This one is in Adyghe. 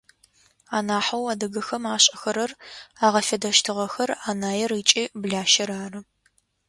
Анахьэу адыгэхэм ашӏэхэрэр, агъэфедэщтыгъэхэр анаир ыкӏи блащэр ары.